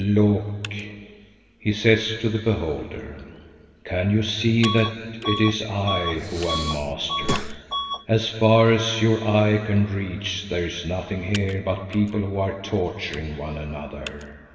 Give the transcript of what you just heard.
"Look," he says to the beholder, "can you see that it is I who am master? As far as your eye can reach, there is nothing here but people who are torturing one another.